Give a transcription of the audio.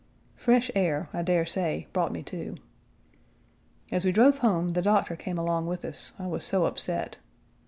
Fresh air, I dare say, brought me to. As we drove home the doctor came along with us, I was so upset.